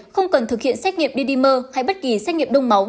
không cần thực hiện xét nghiệm ddimer hay bất kỳ xét nghiệm đông máu